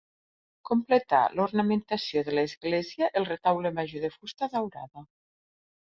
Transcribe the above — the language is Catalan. Completà l'ornamentació de l'església el retaule major de fusta daurada.